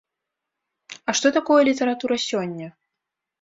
А што такое літаратура сёння?